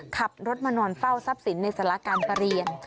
ขับรถมานอนเฝ้าทรัพย์สินในสาราการประเรียน